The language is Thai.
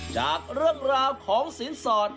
จากเรื่องราวของสินสอด